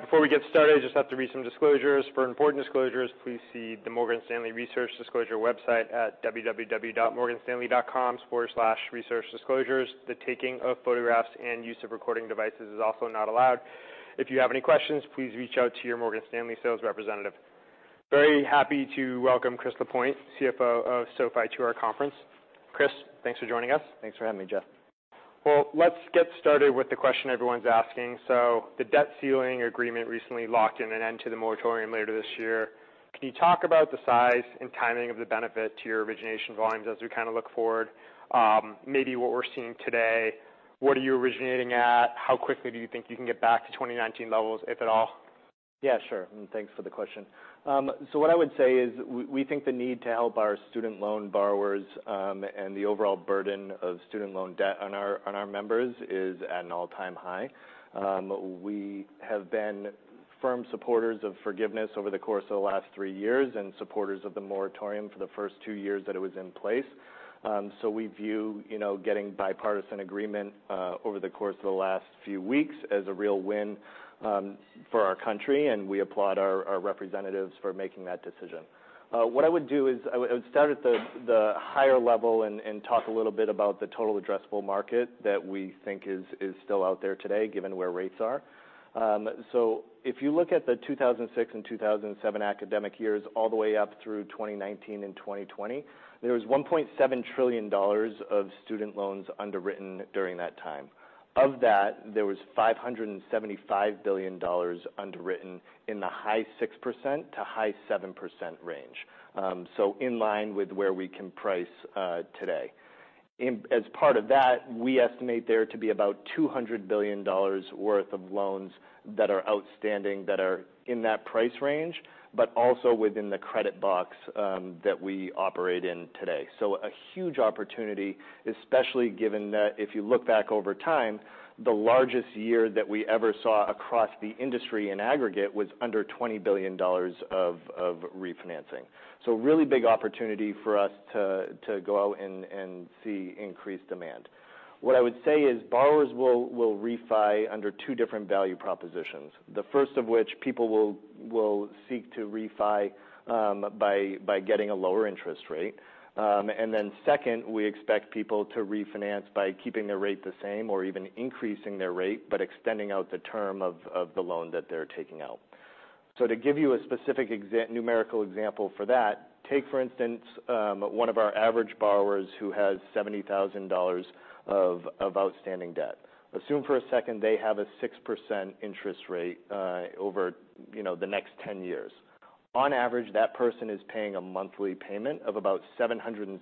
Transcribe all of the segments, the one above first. Before we get started, I just have to read some disclosures. For important disclosures, please see the Morgan Stanley Research Disclosure website at www.morganstanley.com/researchdisclosures. The taking of photographs and use of recording devices is also not allowed. If you have any questions, please reach out to your Morgan Stanley sales representative. Very happy to welcome Chris Lapointe, CFO of SoFi, to our conference. Chris, thanks for joining us. Thanks for having me, Jeff. Well, let's get started with the question everyone's asking. The debt ceiling agreement recently locked in an end to the moratorium later this year. Can you talk about the size and timing of the benefit to your origination volumes as we kind of look forward, maybe what we're seeing today, what are you originating at? How quickly do you think you can get back to 2019 levels, if at all? Yeah, sure, thanks for the question. What I would say is we think the need to help our student loan borrowers, and the overall burden of student loan debt on our members is at an all time high. We have been firm supporters of forgiveness over the course of the last three years and supporters of the moratorium for the first two years that it was in place. We view, you know, getting bipartisan agreement over the course of the last few weeks as a real win for our country, and we applaud our representatives for making that decision. What I would do is I would start at the higher level and talk a little bit about the total addressable market that we think is still out there today, given where rates are. If you look at the 2006 and 2007 academic years, all the way up through 2019 and 2020, there was $1.7 trillion of student loans underwritten during that time. Of that, there was $575 billion underwritten in the high 6%-high 7% range, in line with where we can price today. As part of that, we estimate there to be about $200 billion worth of loans that are outstanding that are in that price range, but also within the credit box that we operate in today. A huge opportunity, especially given that if you look back over time, the largest year that we ever saw across the industry in aggregate was under $20 billion of refinancing. A really big opportunity for us to go out and see increased demand. What I would say is borrowers will refi under two different value propositions. The first of which, people will seek to refi by getting a lower interest rate. Second, we expect people to refinance by keeping their rate the same or even increasing their rate, but extending out the term of the loan that they're taking out. To give you a specific numerical example for that, take, for instance, one of our average borrowers who has $70,000 of outstanding debt. Assume for a second they have a 6% interest rate, over, you know, the next 10 years. On average, that person is paying a monthly payment of about $775.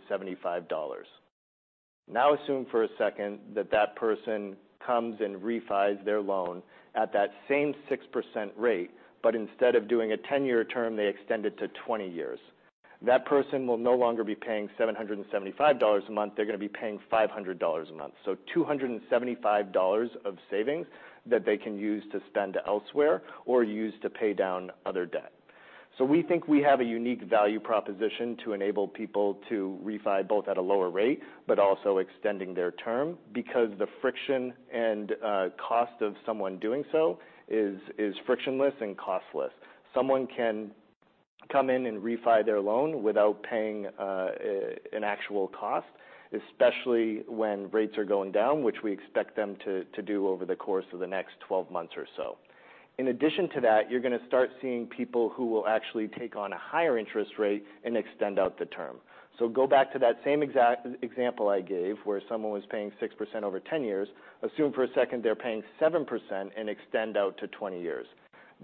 Assume for a second that that person comes and refis their loan at that same 6% rate, but instead of doing a 10-year term, they extend it to 20 years. That person will no longer be paying $775 a month. They're going to be paying $500 a month. $275 of savings that they can use to spend elsewhere or use to pay down other debt. We think we have a unique value proposition to enable people to refi both at a lower rate, but also extending their term because the friction and cost of someone doing so is frictionless and costless. Someone can come in and refi their loan without paying an actual cost, especially when rates are going down, which we expect them to do over the course of the next 12 months or so. In addition to that, you're going to start seeing people who will actually take on a higher interest rate and extend out the term. Go back to that same exact example I gave, where someone was paying 6% over 10 years. Assume for a second they're paying 7% and extend out to 20 years.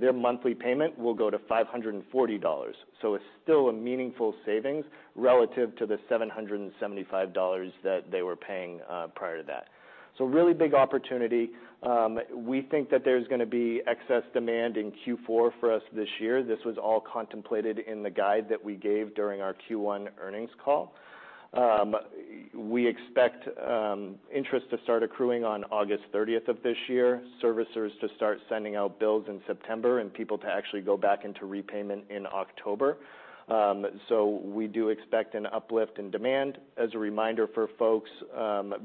Their monthly payment will go to $540. It's still a meaningful savings relative to the $775 that they were paying prior to that. Really big opportunity. We think that there's going to be excess demand in Q4 for us this year. This was all contemplated in the guide that we gave during our Q1 earnings call. We expect interest to start accruing on August 30th of this year, servicers to start sending out bills in September, and people to actually go back into repayment in October. We do expect an uplift in demand. As a reminder for folks,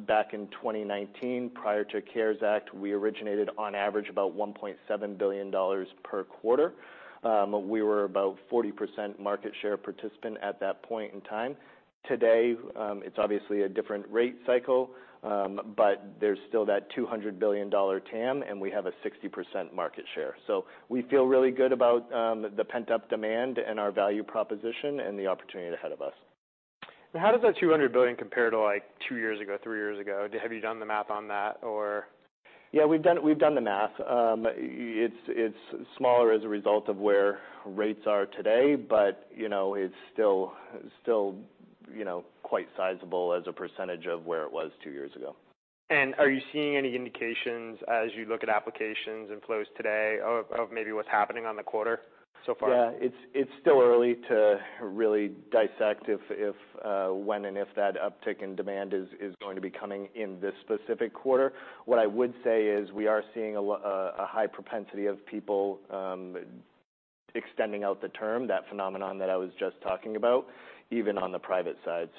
back in 2019, prior to CARES Act, we originated on average, about $1.7 billion per quarter. We were about 40% market share participant at that point in time. Today, it's obviously a different rate cycle, but there's still that $200 billion TAM, and we have a 60% market share. We feel really good about the pent-up demand and our value proposition and the opportunity ahead of us. How does that $200 billion compare to, like, two years ago, three years ago? Have you done the math on that, or? Yeah, we've done the math. It's smaller as a result of where rates are today, but, you know, it's still, you know, quite sizable as a percentage of where it was two years ago. Are you seeing any indications as you look at applications and flows today of maybe what's happening on the quarter so far? Yeah. It's still early to really dissect if when and if that uptick in demand is going to be coming in this specific quarter. What I would say is we are seeing a high propensity of people extending out the term, that phenomenon that I was just talking about, even on the private side.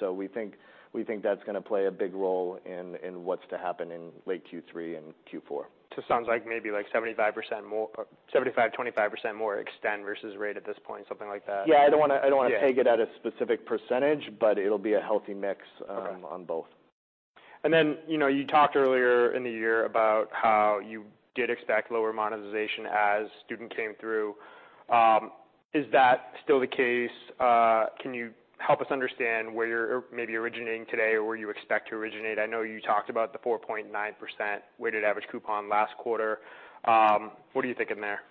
We think that's gonna play a big role in what's to happen in late Q3 and Q4. sounds like maybe like 75, 25% more extend versus rate at this point, something like that? Yeah, I don't wanna. Yeah peg it at a specific percentage, but it'll be a healthy mix, on both. Okay. You know, you talked earlier in the year about how you did expect lower monetization as student came through. Is that still the case? Can you help us understand where you're maybe originating today or where you expect to originate? I know you talked about the 4.9% weighted average coupon last quarter. What are you thinking there?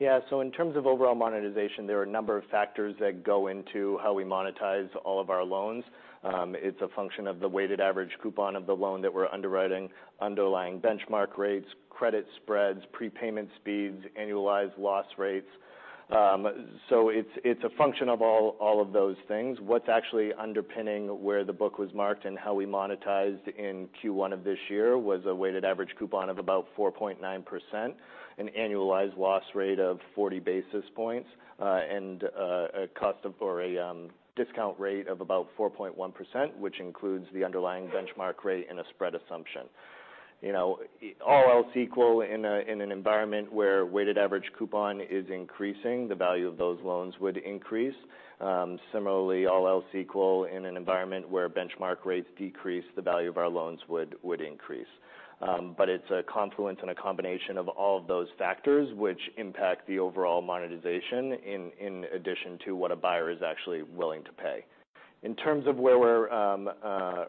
In terms of overall monetization, there are a number of factors that go into how we monetize all of our loans. It's a function of the weighted average coupon of the loan that we're underwriting, underlying benchmark rates, credit spreads, prepayment speeds, annualized loss rates. It's a function of all of those things. What's actually underpinning where the book was marked and how we monetized in Q1 of this year was a weighted average coupon of about 4.9%, an annualized loss rate of 40 basis points, and a cost of or a discount rate of about 4.1%, which includes the underlying benchmark rate and a spread assumption. You know, all else equal, in an environment where weighted average coupon is increasing, the value of those loans would increase. Similarly, all else equal, in an environment where benchmark rates decrease, the value of our loans would increase. It's a confluence and a combination of all of those factors which impact the overall monetization, in addition to what a buyer is actually willing to pay. In terms of where we're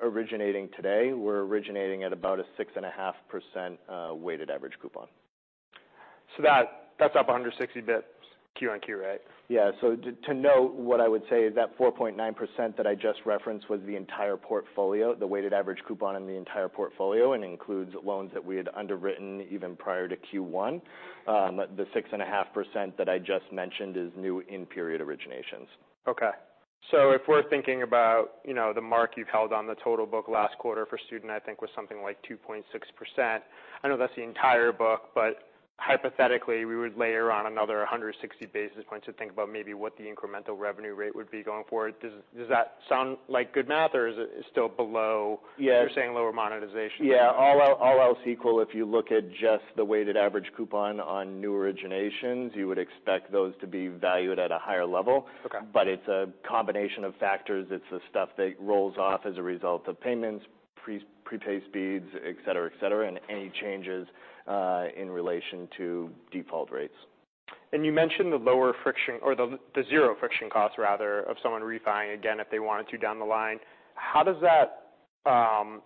originating today, we're originating at about a 6.5% weighted average coupon. That's up 160 basis points quarter-over-quarter, right? Yeah. To know, what I would say is that 4.9% that I just referenced was the entire portfolio, the weighted average coupon in the entire portfolio, and includes loans that we had underwritten even prior to Q1. The 6.5% that I just mentioned is new in period originations. If we're thinking about, you know, the mark you've held on the total book last quarter for student, I think, was something like 2.6%. I know that's the entire book, but hypothetically, we would layer on another 160 basis points to think about maybe what the incremental revenue rate would be going forward. Does that sound like good math, or is it still below- Yeah you're saying lower monetization? Yeah. All else equal, if you look at just the weighted average coupon on new originations, you would expect those to be valued at a higher level. Okay. It's a combination of factors. It's the stuff that rolls off as a result of payments, prepayment speeds, et cetera, et cetera, and any changes in relation to default rates. You mentioned the lower friction or the zero friction costs, rather, of someone refi-ing again, if they wanted to, down the line. How does that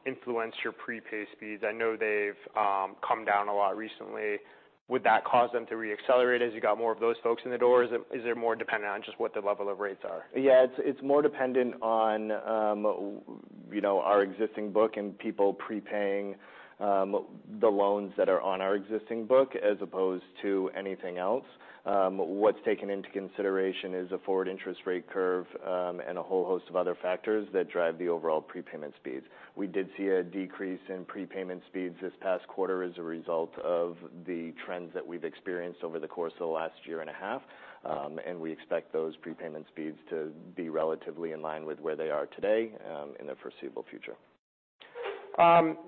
influence your prepay speeds? I know they've come down a lot recently. Would that cause them to re-accelerate as you got more of those folks in the door? Is it more dependent on just what the level of rates are? Yeah, it's more dependent on, you know, our existing book and people prepaying the loans that are on our existing book as opposed to anything else. What's taken into consideration is a forward interest rate curve and a whole host of other factors that drive the overall prepayment speeds. We did see a decrease in prepayment speeds this past quarter as a result of the trends that we've experienced over the course of the last year and a half. We expect those prepayment speeds to be relatively in line with where they are today in the foreseeable future.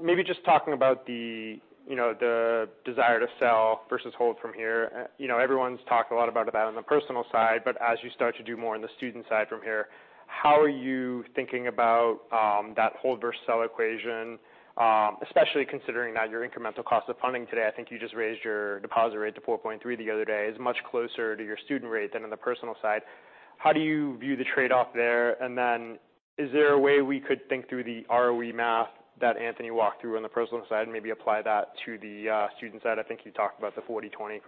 Maybe just talking about the, you know, the desire to sell versus hold from here. You know, everyone's talked a lot about that on the personal side, but as you start to do more on the student side from here, how are you thinking about that hold versus sell equation? Especially considering that your incremental cost of funding today, I think you just raised your deposit rate to 4.3% the other day, is much closer to your student rate than on the personal side. How do you view the trade off there? Is there a way we could think through the ROE math that Anthony walked through on the personal side and maybe apply that to the student side? I think he talked about the 40%, 20%.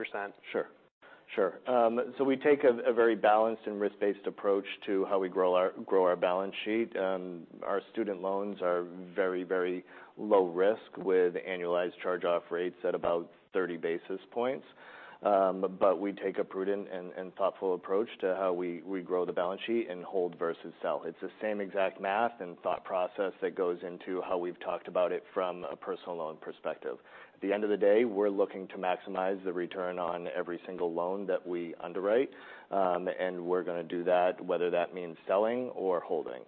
Sure. Sure. We take a very balanced and risk-based approach to how we grow our balance sheet. Our student loans are very, very low risk, with annualized charge off rates at about 30 basis points. We take a prudent and thoughtful approach to how we regrow the balance sheet and hold versus sell. It's the same exact math and thought process that goes into how we've talked about it from a personal loan perspective. At the end of the day, we're looking to maximize the return on every single loan that we underwrite, and we're gonna do that, whether that means selling or holding.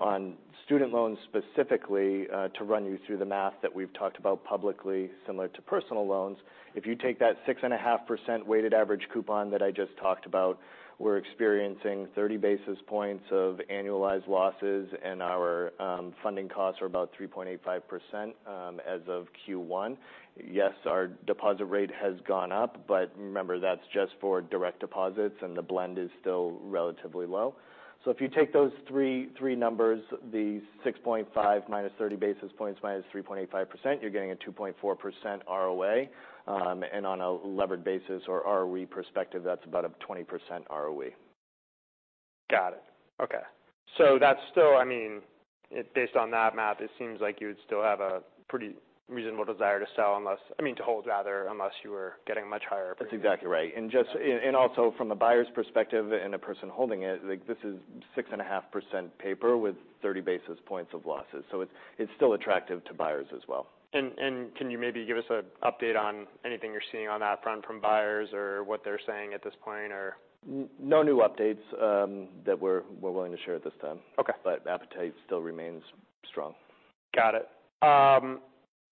On student loans, specifically, to run you through the math that we've talked about publicly, similar to personal loans, if you take that 6.5% weighted average coupon that I just talked about, we're experiencing 30 basis points of annualized losses, and our funding costs are about 3.85% as of Q1. Yes, our deposit rate has gone up. Remember, that's just for direct deposits, and the blend is still relatively low. If you take those three numbers, the 6.5, -30 basis points -3.85%, you're getting a 2.4% ROA. On a levered basis or ROE perspective, that's about a 20% ROE. Got it. Okay. Mm-hmm. I mean, based on that math, it seems like you would still have a pretty reasonable desire to sell, unless... I mean, to hold rather, unless you were getting much higher... That's exactly right. Just, also from the buyer's perspective and the person holding it, like, this is 6.5% paper with 30 basis points of losses, so it's still attractive to buyers as well. Can you maybe give us an update on anything you're seeing on that front from buyers or what they're saying at this point, or? No new updates that we're willing to share at this time. Okay. Appetite still remains strong. Got it.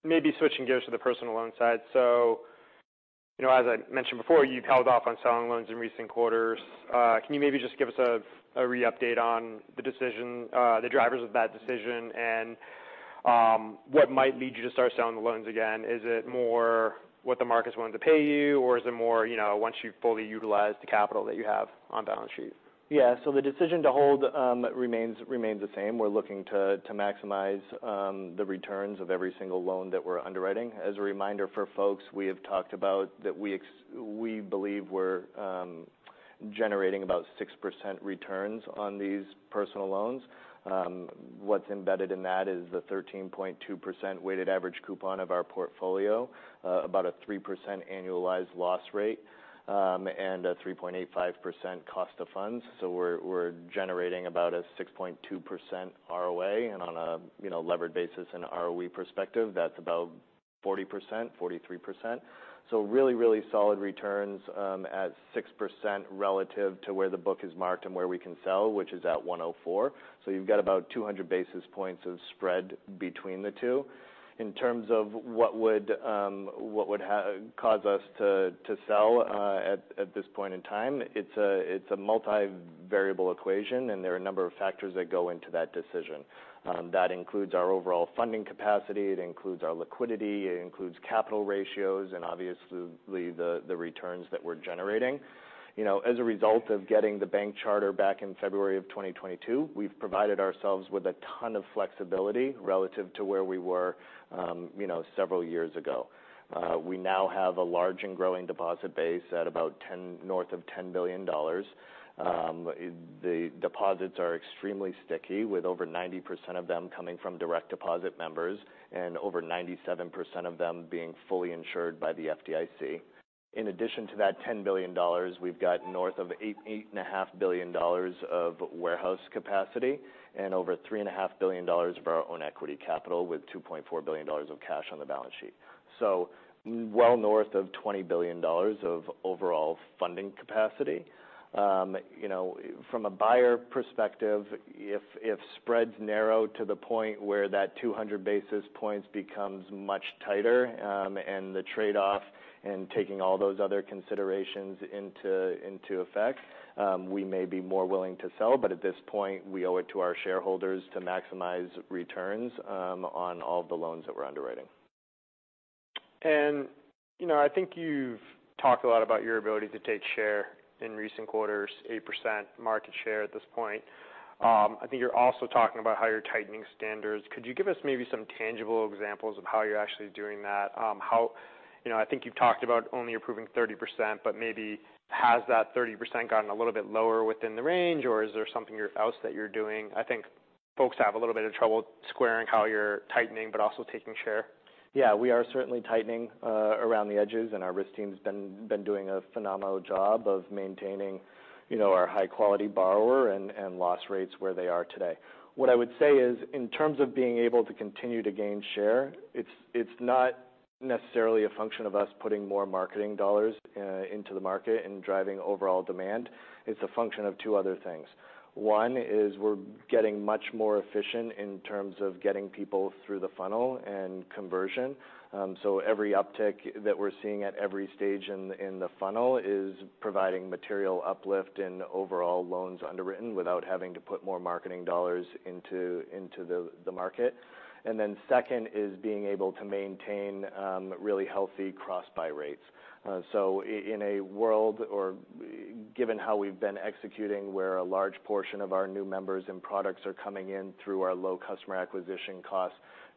Maybe switching gears to the personal loan side. You know, as I mentioned before, you've held off on selling loans in recent quarters. Can you maybe just give us a re update on the decision, the drivers of that decision, and what might lead you to start selling the loans again? Is it more what the market's willing to pay you, or is it more, you know, once you've fully utilized the capital that you have on balance sheet? Yeah. The decision to hold remains the same. We're looking to maximize the returns of every single loan that we're underwriting. As a reminder for folks, we have talked about that we believe we're generating about 6% returns on these personal loans. What's embedded in that is the 13.2% weighted average coupon of our portfolio, about a 3% annualized loss rate, and a 3.85% cost of funds. We're generating about a 6.2% ROA, and on a, you know, levered basis and ROE perspective, that's about 40%, 43%. Really solid returns at 6% relative to where the book is marked and where we can sell, which is at 104. You've got about 200 basis points of spread between the two. In terms of what would cause us to sell at this point in time, it's a multivariable equation, and there are a number of factors that go into that decision. That includes our overall funding capacity, it includes our liquidity, it includes capital ratios, and obviously, the returns that we're generating. You know, as a result of getting the bank charter back in February of 2022, we've provided ourselves with a ton of flexibility relative to where we were, you know, several years ago. We now have a large and growing deposit base at about north of $10 billion. The deposits are extremely sticky, with over 90% of them coming from direct deposit members, and over 97% of them being fully insured by the FDIC. In addition to that $10 billion, we've got north of $8 and a half billion of warehouse capacity and over $3 and a half billion of our own equity capital, with $2.4 billion of cash on the balance sheet. well north of $20 billion of overall funding capacity. you know, from a buyer perspective, if spreads narrow to the point where that 200 basis points becomes much tighter, and the trade-off in taking all those other considerations into effect, we may be more willing to sell. At this point, we owe it to our shareholders to maximize returns on all the loans that we're underwriting. You know, I think you've talked a lot about your ability to take share in recent quarters, 8% market share at this point. I think you're also talking about how you're tightening standards. Could you give us maybe some tangible examples of how you're actually doing that? You know, I think you've talked about only approving 30%, but maybe has that 30% gotten a little bit lower within the range, or is there something else that you're doing? I think folks have a little bit of trouble squaring how you're tightening but also taking share. Yeah, we are certainly tightening around the edges. Our risk team's been doing a phenomenal job of maintaining, you know, our high quality borrower and loss rates where they are today. I would say is, in terms of being able to continue to gain share, it's not necessarily a function of us putting more marketing dollars into the market and driving overall demand. It's a function of two other things. One is we're getting much more efficient in terms of getting people through the funnel and conversion. Every uptick that we're seeing at every stage in the funnel is providing material uplift in overall loans underwritten, without having to put more marketing dollars into the market. Second is being able to maintain really healthy cross-buy rates. In a world, or given how we've been executing, where a large portion of our new members and products are coming in through our low customer acquisition cost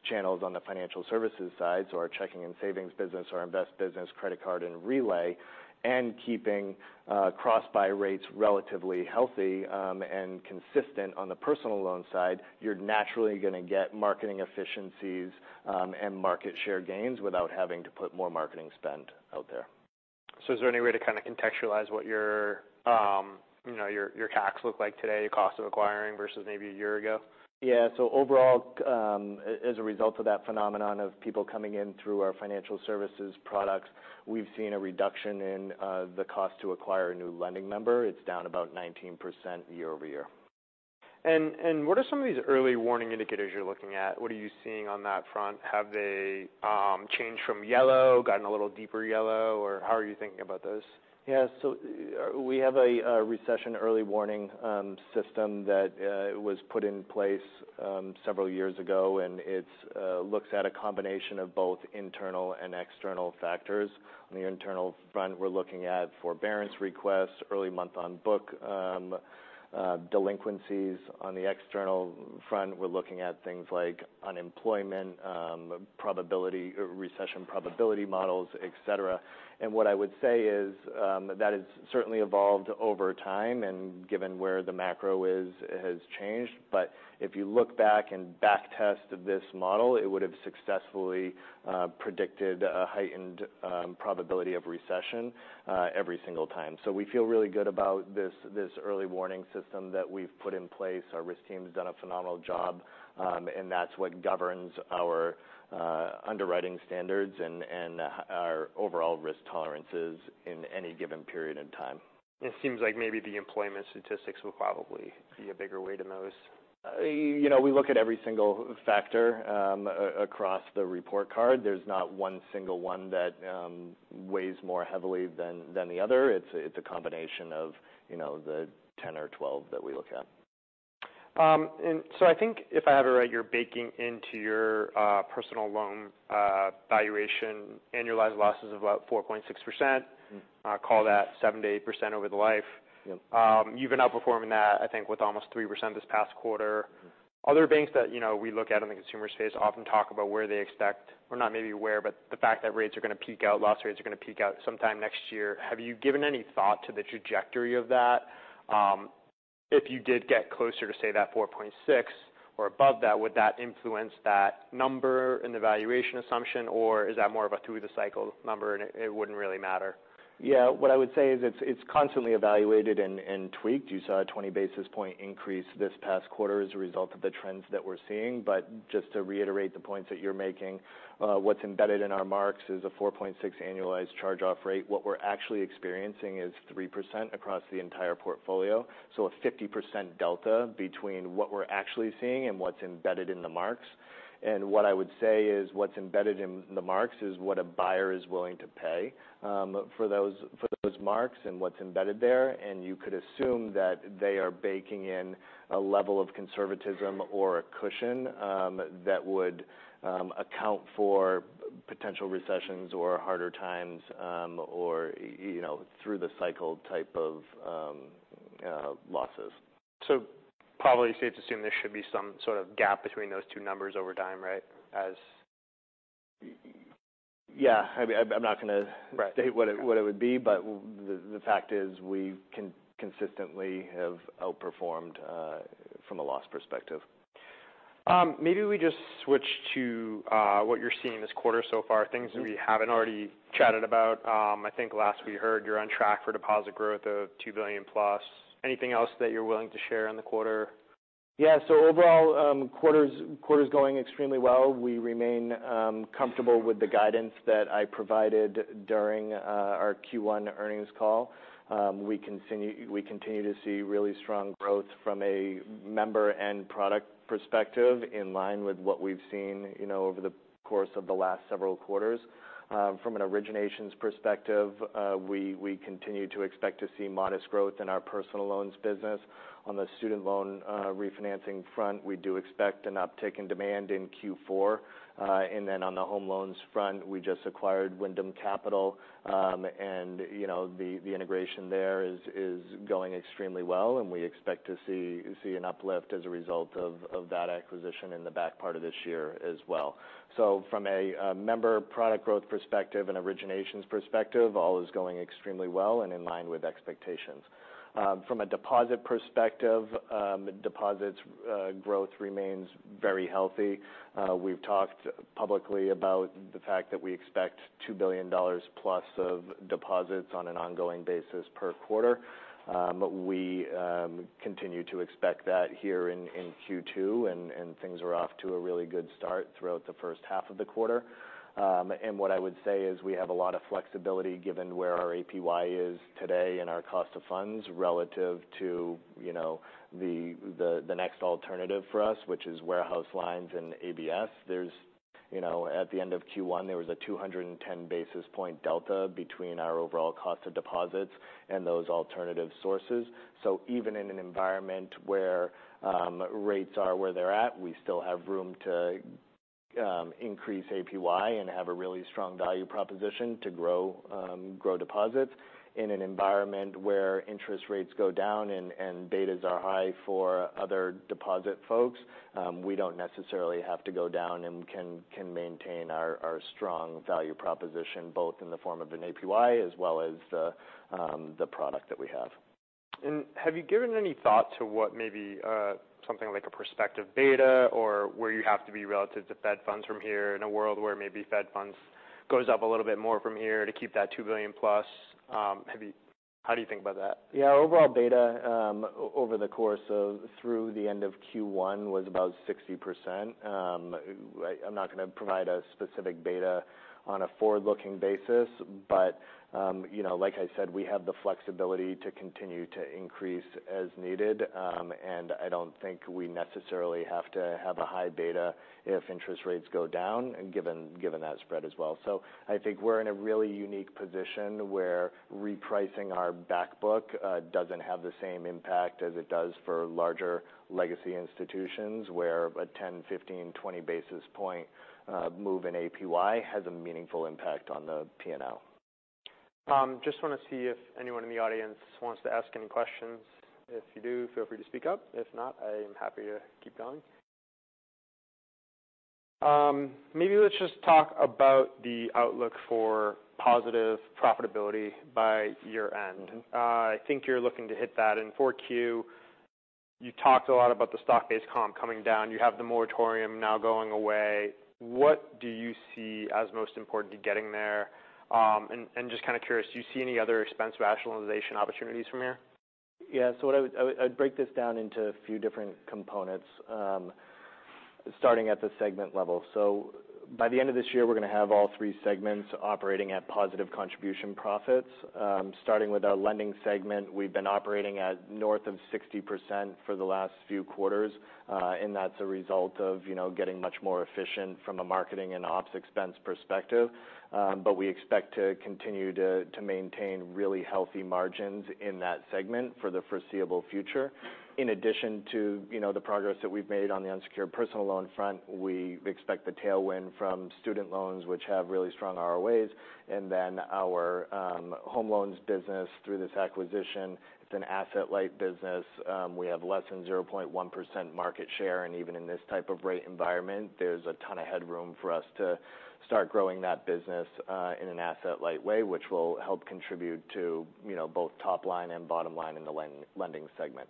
channels on the financial services side, so our checking and savings business, our invest business, credit card, and Relay, and keeping cross-buy rates relatively healthy and consistent on the personal loan side, you're naturally going to get marketing efficiencies and market share gains without having to put more marketing spend out there. Is there any way to kind of contextualize what your, you know, your tax look like today, cost of acquiring versus maybe a year ago? Yeah. Overall, as a result of that phenomenon of people coming in through our financial services products, we've seen a reduction in the cost to acquire a new lending member. It's down about 19% year-over-year. What are some of these early warning indicators you're looking at? What are you seeing on that front? Have they changed from yellow, gotten a little deeper yellow, or how are you thinking about those? Yeah. We have a recession early warning system that was put in place several years ago. It looks at a combination of both internal and external factors. On the internal front, we're looking at forbearance requests, early month on book, delinquencies. On the external front, we're looking at things like unemployment, recession probability models, et cetera. What I would say is that has certainly evolved over time, given where the macro is, it has changed. If you look back and back test this model, it would have successfully predicted a heightened probability of recession every single time. We feel really good about this early warning system that we've put in place. Our risk team's done a phenomenal job, and that's what governs our underwriting standards and our overall risk tolerances in any given period in time. It seems like maybe the employment statistics will probably be a bigger weight in those. You know, we look at every single factor, across the report card. There's not one single one that weighs more heavily than the other. It's a, it's a combination of, you know, the 10 or 12 that we look at. I think if I have it right, you're baking into your personal loan valuation, annualized losses of about 4.6%. Mm-hmm. Call that 7%-8% over the life. Yep. You've been outperforming that, I think, with almost 3% this past quarter. Mm-hmm. Other banks that, you know, we look at in the consumer space often talk about the fact that rates are going to peak out, loss rates are going to peak out sometime next year. Have you given any thought to the trajectory of that? If you did get closer to, say, that 4.6 or above that, would that influence that number and the valuation assumption, or is that more of a through the cycle number and it wouldn't really matter? Yeah. What I would say is it's constantly evaluated and tweaked. You saw a 20 basis point increase this past quarter as a result of the trends that we're seeing. Just to reiterate the points that you're making, what's embedded in our marks is a 4.6 annualized charge off rate. What we're actually experiencing is 3% across the entire portfolio, so a 50% delta between what we're actually seeing and what's embedded in the marks. What I would say is, what's embedded in the marks is what a buyer is willing to pay for those marks and what's embedded there. You could assume that they are baking in a level of conservatism or a cushion that would account for potential recessions or harder times or, you know, through the cycle type of losses. Probably safe to assume there should be some sort of gap between those two numbers over time, right? Yeah. I mean, I'm not going to- Right state what it would be, but the fact is we consistently have outperformed from a loss perspective. Maybe we just switch to, what you're seeing this quarter so far. Mm-hmm that we haven't already chatted about. I think last we heard, you're on track for deposit growth of $2 billion plus. Anything else that you're willing to share on the quarter? Overall, quarter's going extremely well. We remain comfortable with the guidance that I provided during our Q1 earnings call. We continue to see really strong growth from a member and product perspective, in line with what we've seen, you know, over the course of the last several quarters. From an originations perspective, we continue to expect to see modest growth in our personal loans business. On the student loan refinancing front, we do expect an uptick in demand in Q4. On the home loans front, we just acquired Wyndham Capital, and, you know, the integration there is going extremely well, and we expect to see an uplift as a result of that acquisition in the back part of this year as well. From a member product growth perspective and originations perspective, all is going extremely well and in line with expectations. From a deposit perspective, deposits growth remains very healthy. We've talked publicly about the fact that we expect $2 billion plus of deposits on an ongoing basis per quarter. We continue to expect that here in Q2, and things are off to a really good start throughout the first half of the quarter. What I would say is we have a lot of flexibility given where our APY is today and our cost of funds relative to, you know, the next alternative for us, which is warehouse lines and ABS. You know, at the end of Q1, there was a 210 basis point delta between our overall cost of deposits and those alternative sources. Even in an environment where rates are where they're at, we still have room to increase APY and have a really strong value proposition to grow deposits. In an environment where interest rates go down and betas are high for other deposit folks, we don't necessarily have to go down and can maintain our strong value proposition, both in the form of an APY as well as the product that we have. Have you given any thought to what maybe, something like a prospective beta or where you have to be relative to Fed funds from here in a world where maybe Fed funds goes up a little bit more from here to keep that $2 billion+? How do you think about that? Yeah. Overall beta, over the course of through the end of Q1 was about 60%. I'm not going to provide a specific beta on a forward-looking basis, but, you know, like I said, we have the flexibility to continue to increase as needed. And I don't think we necessarily have to have a high beta if interest rates go down and given that spread as well. I think we're in a really unique position where repricing our back book, doesn't have the same impact as it does for larger legacy institutions, where a 10, 15, 20 basis point move in APY has a meaningful impact on the PNL. Just want to see if anyone in the audience wants to ask any questions. If you do, feel free to speak up. If not, I am happy to keep going. Maybe let's just talk about the outlook for positive profitability by year end. I think you're looking to hit that in 4Q. You talked a lot about the stock-based comp coming down. You have the moratorium now going away. What do you see as most important to getting there? Just kind of curious, do you see any other expense rationalization opportunities from here? Yeah. I'd break this down into a few different components, starting at the segment level. By the end of this year, we're going to have all three segments operating at positive Contribution Profit. Starting with our lending segment, we've been operating at north of 60% for the last few quarters. That's a result of, you know, getting much more efficient from a marketing and ops expense perspective. We expect to continue to maintain really healthy margins in that segment for the foreseeable future. In addition to, you know, the progress that we've made on the unsecured personal loan front, we expect the tailwind from student loans, which have really strong ROAs. Our home loans business through this acquisition, it's an asset light business. We have less than 0.1% market share, and even in this type of rate environment, there's a ton of headroom for us to start growing that business in an asset-light way, which will help contribute to, you know, both top line and bottom line in the lending segment.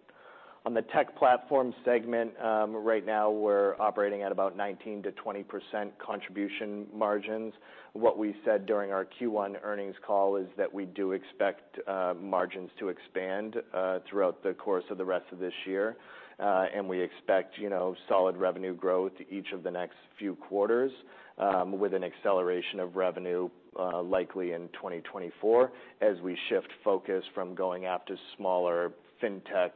On the tech platform segment, right now we're operating at about 19%-20% contribution margins. What we said during our Q1 earnings call is that we do expect margins to expand throughout the course of the rest of this year. We expect, you know, solid revenue growth each of the next few quarters, with an acceleration of revenue likely in 2024, as we shift focus from going after smaller fintech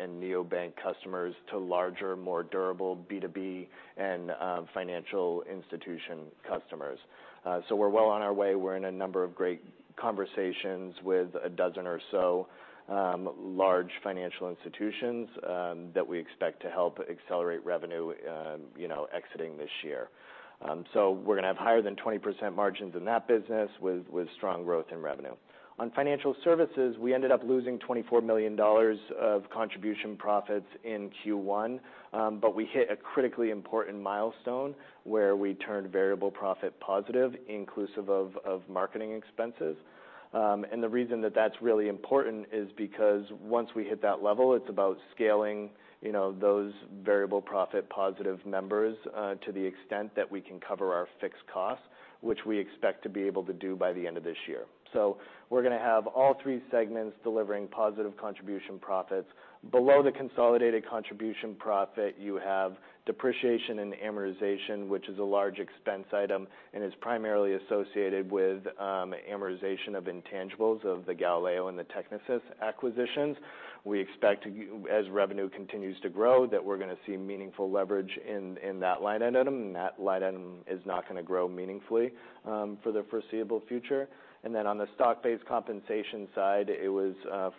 and neobank customers to larger, more durable B2B and financial institution customers. We're well on our way. We're in a number of great conversations with a dozen or so large financial institutions that we expect to help accelerate revenue, you know, exiting this year. We're going to have higher than 20% margins in that business, with strong growth in revenue. On financial services, we ended up losing $24 million of contribution profit in Q1, we hit a critically important milestone where we turned variable profit positive, inclusive of marketing expenses. The reason that that's really important is because once we hit that level, it's about scaling, you know, those variable profit-positive members to the extent that we can cover our fixed costs, which we expect to be able to do by the end of this year. We're gonna have all three segments delivering positive contribution profit. Below the consolidated contribution profit, you have depreciation and amortization, which is a large expense item and is primarily associated with amortization of intangibles of the Galileo and the Technisys acquisitions. We expect, as revenue continues to grow, that we're gonna see meaningful leverage in that line item, and that line item is not gonna grow meaningfully for the foreseeable future. On the stock based compensation side, it was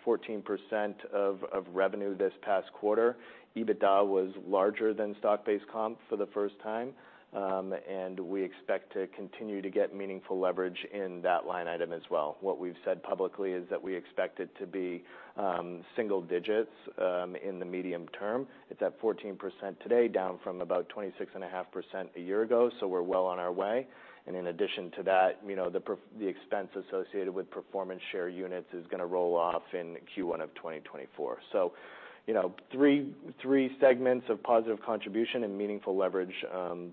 14% of revenue this past quarter. EBITDA was larger than stock-based comp for the first time, and we expect to continue to get meaningful leverage in that line item as well. What we've said publicly is that we expect it to be single digits in the medium term. It's at 14% today, down from about 26.5% a year ago, so we're well on our way. In addition to that, you know, the expense associated with performance share units is gonna roll off in Q1 of 2024. You know, three segments of positive contribution and meaningful leverage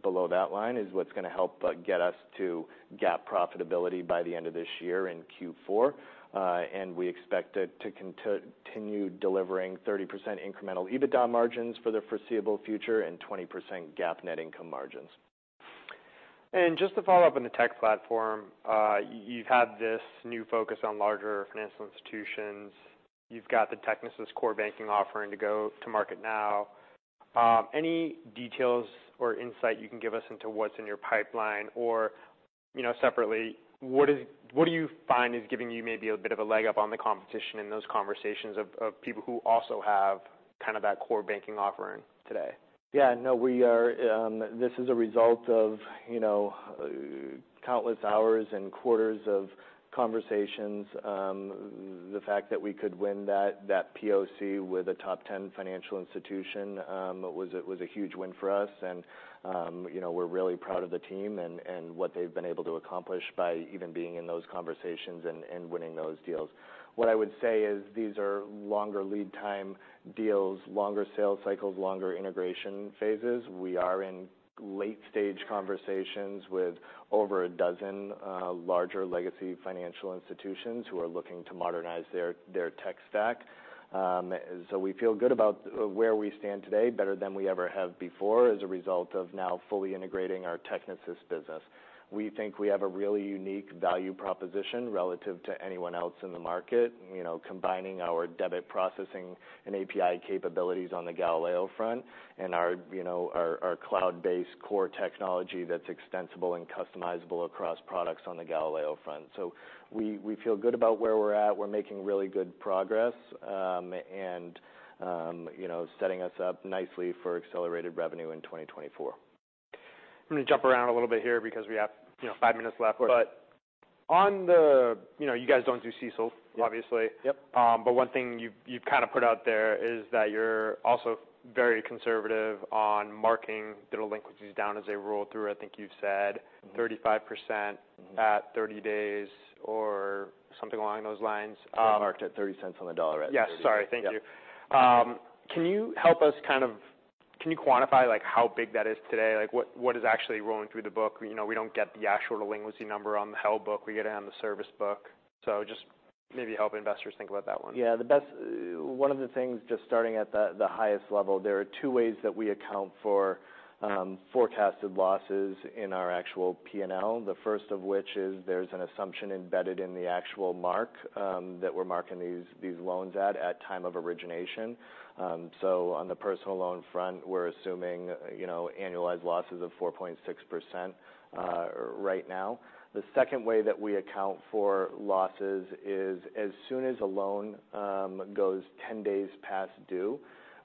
below that line is what's gonna help but get us to GAAP profitability by the end of this year in Q4. We expect it to continue delivering 30% incremental EBITDA margins for the foreseeable future and 20% GAAP net income margins. Just to follow up on the tech platform, you've had this new focus on larger financial institutions. You've got the Technisys core banking offering to go to market now. Any details or insight you can give us into what's in your pipeline? You know, separately, what do you find is giving you maybe a bit of a leg up on the competition in those conversations of people who also have kind of that core banking offering today? Yeah. No, this is a result of, you know, countless hours and quarters of conversations. The fact that we could win that POC with a top 10 financial institution was a huge win for us. You know, we're really proud of the team and what they've been able to accomplish by even being in those conversations and winning those deals. What I would say is these are longer lead time deals, longer sales cycles, longer integration phases. We are in late stage conversations with over a dozen larger legacy financial institutions who are looking to modernize their tech stack. We feel good about where we stand today, better than we ever have before, as a result of now fully integrating our Technisys business. We think we have a really unique value proposition relative to anyone else in the market. You know, combining our debit processing and API capabilities on the Galileo front and our, you know, our cloud-based core technology that's extensible and customizable across products on the Galileo front. We, we feel good about where we're at. We're making really good progress, and, you know, setting us up nicely for accelerated revenue in 2024. I'm gonna jump around a little bit here because we have, you know, five minutes left. Of course. You know, you guys don't do CECL, obviously. Yep. One thing you've kind of put out there is that you're also very conservative on marking delinquencies down as they roll through. I think you've said. Mm-hmm. 35% Mm-hmm. at 30 days or something along those lines. They're marked at $0.30 on the dollar at 30 days. Yeah, sorry. Thank you. Yep. Can you quantify, like, how big that is today? Like, what is actually rolling through the book? You know, we don't get the actual delinquency number on the held book. We get it on the service book. Maybe help investors think about that one. The best, one of the things, just starting at the highest level, there are two ways that we account for forecasted losses in our actual PNL. The first of which is there's an assumption embedded in the actual mark that we're marking these loans at time of origination. On the personal loan front, we're assuming, you know, annualized losses of 4.6% right now. The second way that we account for losses is as soon as a loan goes 10 days past due,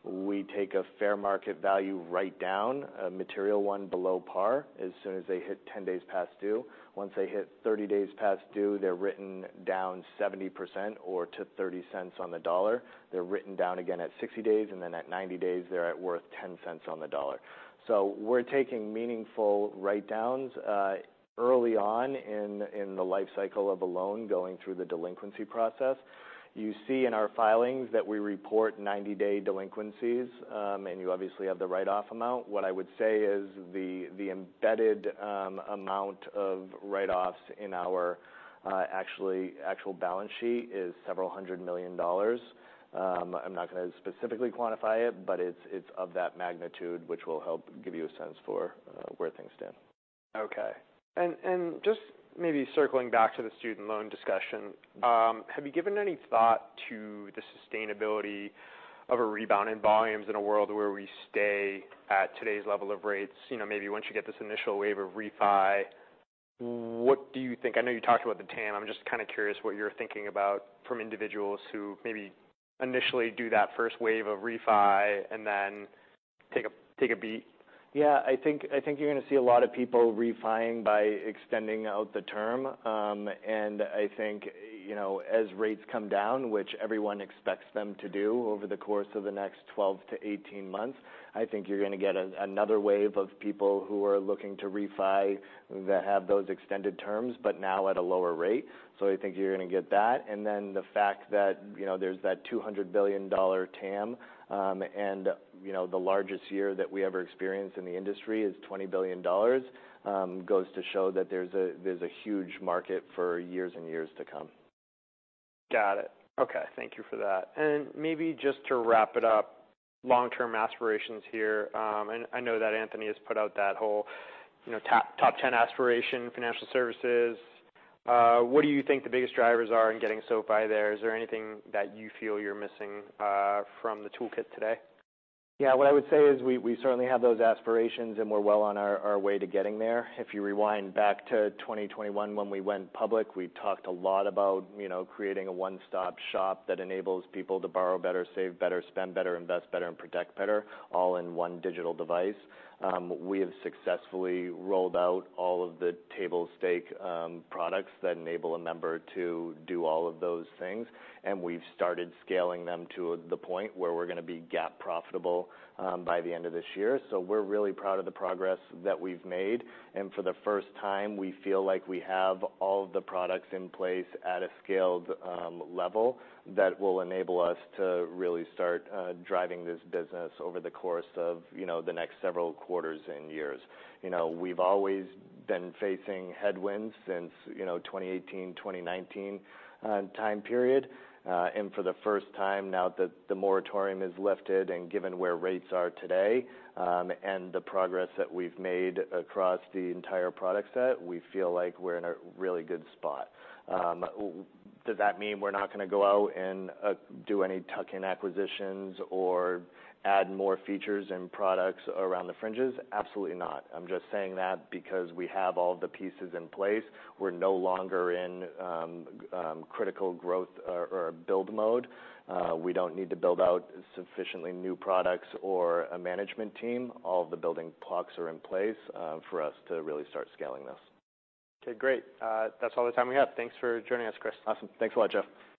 we take a fair market value write down, a material one below par, as soon as they hit 10 days past due. Once they hit 30 days past due, they're written down 70% or to $0.30 on the dollar. They're written down again at 60 days, and then at 90 days, they're at worth $0.10 on the dollar. We're taking meaningful write-downs early on in the life cycle of a loan, going through the delinquency process. You see in our filings that we report 90 day delinquencies, and you obviously have the write off amount. What I would say is the embedded amount of write-offs in our actual balance sheet is several hundred million dollars. I'm not gonna specifically quantify it, but it's of that magnitude, which will help give you a sense for where things stand. Okay. Just maybe circling back to the student loan discussion, have you given any thought to the sustainability of a rebound in volumes in a world where we stay at today's level of rates? You know, maybe once you get this initial wave of refi, what do you think? I know you talked about the TAM. I'm just kind of curious what you're thinking about from individuals who maybe initially do that first wave of refi and then take a, take a beat. Yeah, I think you're gonna see a lot of people refi-ing by extending out the term. I think, you know, as rates come down, which everyone expects them to do over the course of the next 12 to 18 months, I think you're gonna get another wave of people who are looking to refi, that have those extended terms, but now at a lower rate. I think you're gonna get that. The fact that, you know, there's that $200 billion TAM, and, you know, the largest year that we ever experienced in the industry is $20 billion, goes to show that there's a huge market for years and years to come. Got it. Okay, thank you for that. Maybe just to wrap it up, long term aspirations here. I know that Anthony has put out that whole, you know, top 10 aspiration, financial services. What do you think the biggest drivers are in getting SoFi there? Is there anything that you feel you're missing from the toolkit today? What I would say is we certainly have those aspirations, and we're well on our way to getting there. If you rewind back to 2021 when we went public, we talked a lot about, you know, creating a one stop shop that enables people to borrow better, save better, spend better, invest better, and protect better, all in one digital device. We have successfully rolled out all of the table stake products that enable a member to do all of those things, and we've started scaling them to the point where we're gonna be GAAP profitable by the end of this year. We're really proud of the progress that we've made, and for the first time, we feel like we have all the products in place at a scaled level that will enable us to really start driving this business over the course of, you know, the next several quarters and years. You know, we've always been facing headwinds since, you know, 2018, 2019 time period. For the first time, now that the moratorium is lifted and given where rates are today, and the progress that we've made across the entire product set, we feel like we're in a really good spot. Does that mean we're not gonna go out and do any tuck-in acquisitions or add more features and products around the fringes? Absolutely not. I'm just saying that because we have all the pieces in place, we're no longer in critical growth or build mode. We don't need to build out sufficiently new products or a management team. All of the building blocks are in place for us to really start scaling this. Okay, great. That's all the time we have. Thanks for joining us, Chris. Awesome. Thanks a lot, Jeff.